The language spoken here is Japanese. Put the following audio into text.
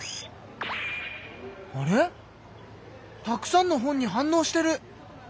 たくさんの本に反応してる。